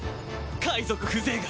海賊風情が！